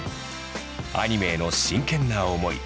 アニメへの真剣な思い